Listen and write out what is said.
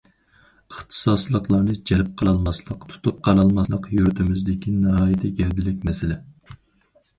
ئىختىساسلىقلارنى جەلپ قىلالماسلىق، تۇتۇپ قالالماسلىق يۇرتىمىزدىكى ناھايىتى گەۋدىلىك مەسىلە.